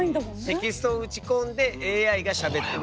テキストを打ち込んでＡＩがしゃべってる。